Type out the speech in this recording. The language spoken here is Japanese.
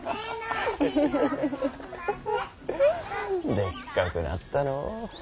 でっかくなったのう。